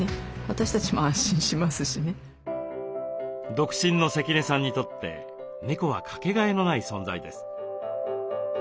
独身の関根さんにとって猫はかけがえのない存在です。